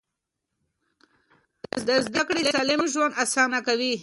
دا زده کړه سالم ژوند اسانه کوي.